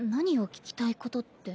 聞きたいことって。